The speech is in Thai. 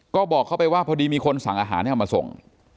ก็บอกเขาไปว่าพอดีมีคนสั่งอาหารให้เอามาส่ง